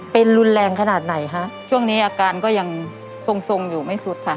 เป็นรุนแรงขนาดไหนคะช่วงนี้อาการก็ยังทรงทรงอยู่ไม่สุดค่ะ